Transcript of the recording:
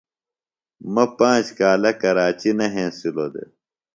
مہ پانج کالہ کراچیۡ نہ ہینسِلوۡ دےۡ۔